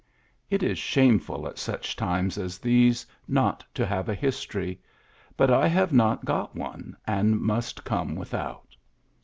It is shameful at such times as these not to have a history ; but I have not got one, and must come without.''